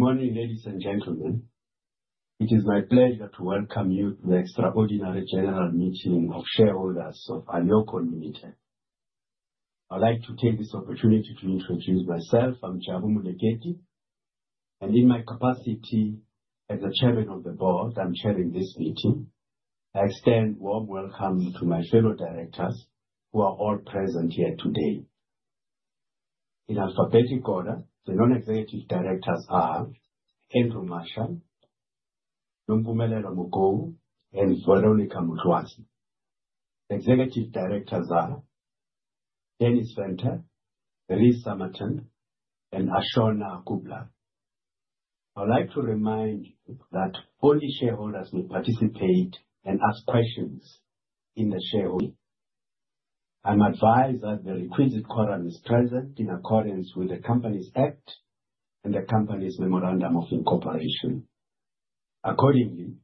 Good morning, ladies and gentlemen. It is my pleasure to welcome you to the extraordinary general meeting of shareholders of Alukon Limited. I'd like to take this opportunity to introduce myself. I'm Jabu Moleketi, and in my capacity as the chairman of the board, I'm chairing this meeting. I extend warm welcome to my fellow directors who are all present here today. In alphabetic order, the non-executive directors are Andrew Marshall, Nombumelelo Mokoena, and Zwelonke Madluphasi. Executive directors are Dennis Center, Lisa Martin, and Ashona Kooblall. I'd like to remind you that only shareholders may participate and ask questions in the shareholders' meeting. I'm advised that the requisite quorum is present in accordance with the Companies Act and the company's memorandum of incorporation. Accordingly,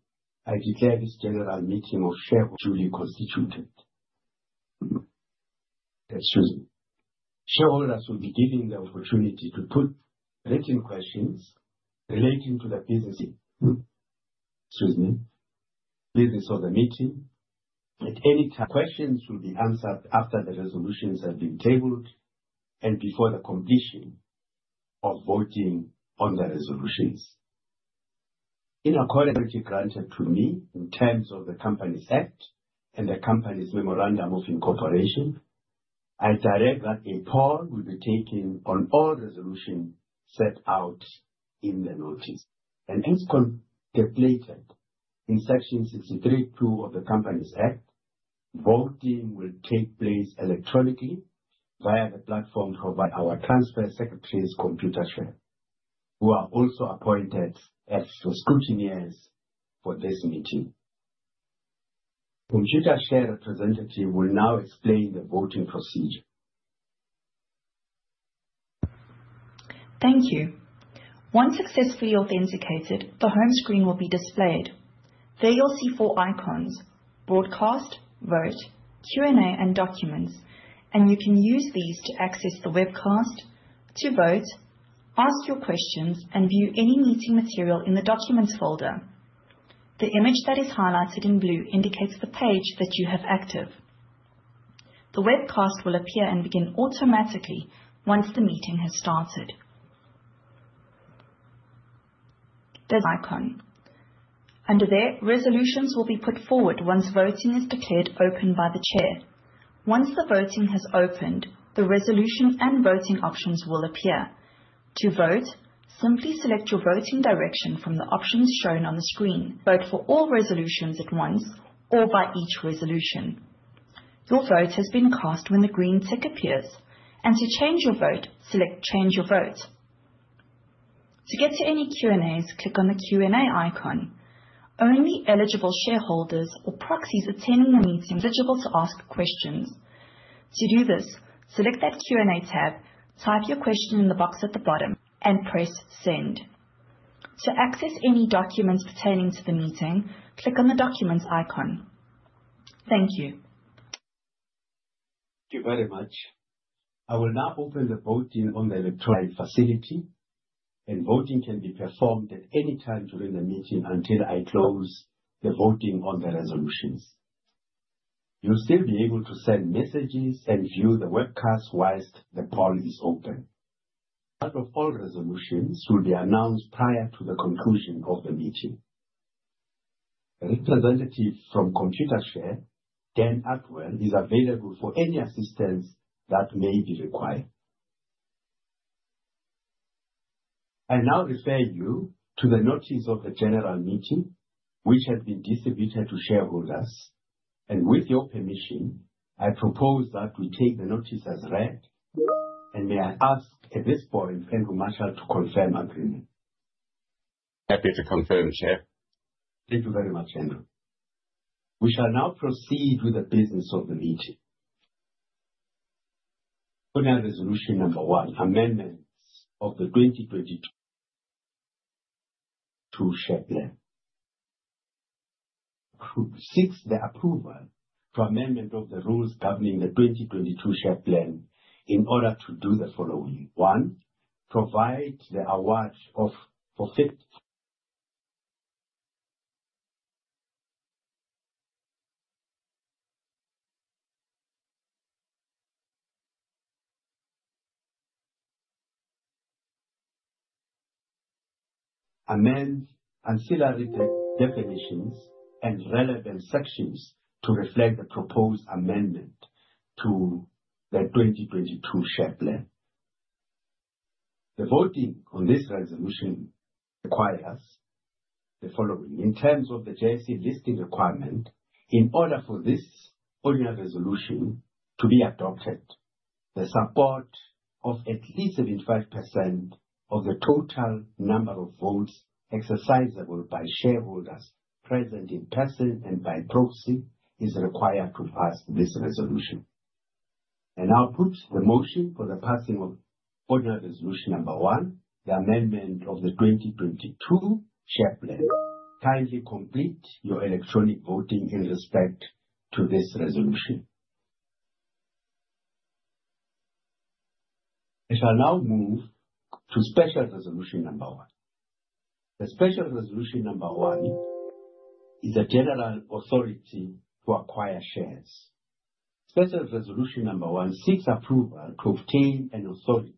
I declare this general meeting of shareholders duly constituted. Excuse me. Shareholders will be given the opportunity to put written questions relating to the business... Excuse me, business of the meeting at any time. Questions will be answered after the resolutions have been tabled and before the completion of voting on the resolutions. In accordance with the authority granted to me in terms of the Companies Act and the company's memorandum of incorporation, I direct that a poll will be taken on all resolutions set out in the notice. As contemplated in Section 63.2 of the Companies Act, voting will take place electronically via the platform provided by our transfer secretary's Computershare, who are also appointed as the scrutineers for this meeting. Computershare representative will now explain the voting procedure. Thank you. Once successfully authenticated, the home screen will be displayed. There you'll see four icons: Broadcast, Vote, Q&A, and Documents. You can use these to access the webcast, to vote, ask your questions, and view any meeting material in the documents folder. The image that is highlighted in blue indicates the page that you have active. The webcast will appear and begin automatically once the meeting has started. This icon under there, resolutions will be put forward once voting is declared open by the chair. Once the voting has opened, the resolution and voting options will appear. To vote, simply select your voting direction from the options shown on the screen. Vote for all resolutions at once or by each resolution. Your vote has been cast when the green tick appears, and to change your vote, select Change Your Vote. To get to any Q&A's, click on the Q&A icon. Only eligible shareholders or proxies attending the meeting are eligible to ask questions. To do this, select that Q&A tab, type your question in the box at the bottom, and press Send. To access any documents pertaining to the meeting, click on the Documents icon. Thank you. Thank you very much. I will now open the voting on the electronic facility, and voting can be performed at any time during the meeting until I close the voting on the resolutions. You'll still be able to send messages and view the webcast while the poll is open. Results of all resolutions will be announced prior to the conclusion of the meeting. A representative from Computershare, Dan Atwell, is available for any assistance that may be required. I now refer you to the notice of the general meeting, which has been distributed to shareholders. With your permission, I propose that we take the notice as read. May I ask at this point, Andrew Marshall to confirm agreement. Happy to confirm, Chair. Thank you very much, Andrew. We shall now proceed with the business of the meeting. Ordinary resolution number one, amendments of the 2022 Share Plan. Seeks the approval for amendment of the rules governing the 2022 Share Plan in order to do the following. One, amend ancillary definitions and relevant sections to reflect the proposed amendment to the 2022 Share Plan. The voting on this resolution requires the following. In terms of the JSE listing requirement, in order for this ordinary resolution to be adopted, the support of at least 75% of the total number of votes exercisable by shareholders present in person and by proxy is required to pass this resolution. I now put the motion for the passing of ordinary resolution number one, the amendment of the 2022 Share Plan. Kindly complete your electronic voting in respect to this resolution. We shall now move to special resolution number one. The special resolution number 1 is a general authority to acquire shares. Special resolution number one seeks approval to obtain an authority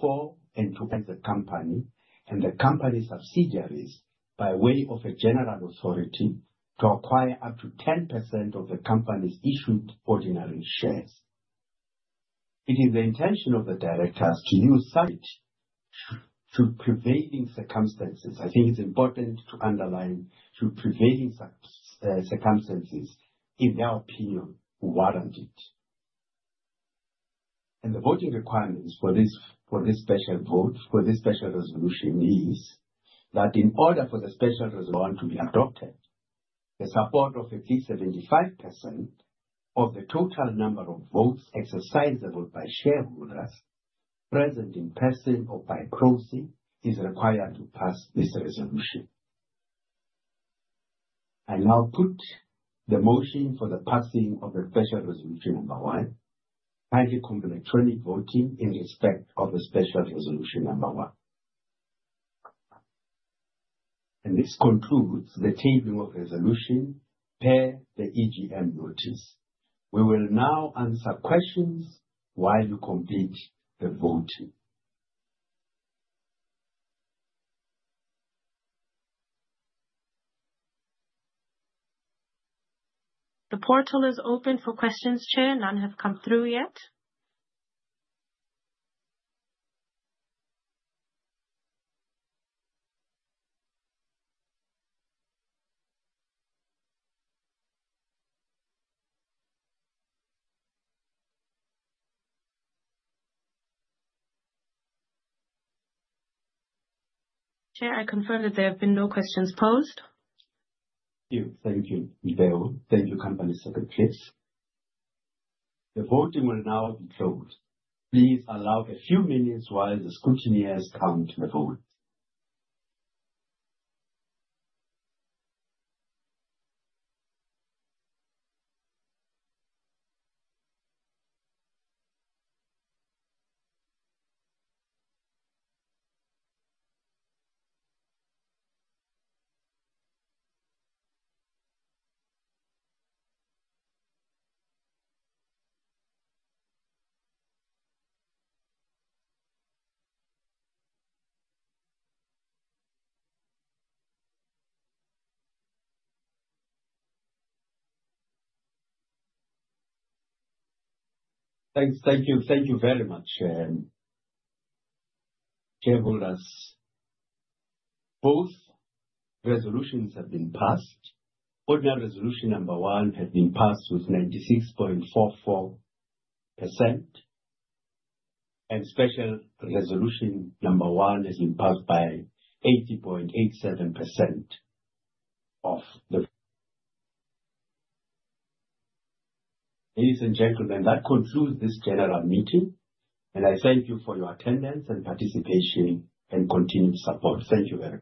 for and to the company and the company's subsidiaries by way of a general authority to acquire up to 10% of the company's issued ordinary shares. It is the intention of the directors to use such to prevailing circumstances. I think it's important to underline to prevailing circumstances, in their opinion, warrant it. The voting requirements for this special resolution is that in order for the special resolution to be adopted, the support of at least 75% of the total number of votes exercisable by shareholders present in person or by proxy is required to pass this resolution. I now put the motion for the passing of the special resolution number one and electronic voting in respect of the special resolution number one. This concludes the tabling of resolution per the EGM notice. We will now answer questions while you complete the voting. The portal is open for questions, Chair. None have come through yet. Chair, I confirm that there have been no questions posed. Thank you. Thank you, Mpeo Nkuna. Thank you, company secretary. The voting will now be closed. Please allow a few minutes while the scrutineers count the vote. Thanks. Thank you. Thank you very much, shareholders. Both resolutions have been passed. Ordinary resolution number one has been passed with 96.44%, and special resolution number one has been passed by 80.87% of the... Ladies and gentlemen, that concludes this general meeting, and I thank you for your attendance and participation and continued support. Thank you very much.